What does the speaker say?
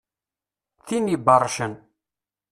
Tin ibercen.